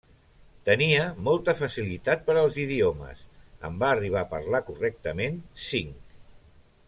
Tenia molta facilitat per als idiomes, en va arribar a parlar correctament cinc.